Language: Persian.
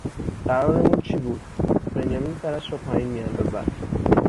قرارمون چی بود بنیامین سرش را پایین می اندازد